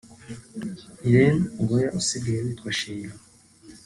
Irene Uwoya [usigaye witwa Sheilla]